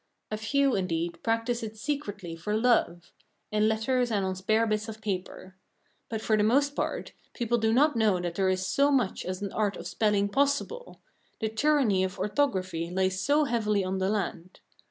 A few, indeed, practise it secretly for love in letters and on spare bits of paper. But, for the most part, people do not know that there is so much as an art of spelling possible; the tyranny of orthography lies so heavily on the land.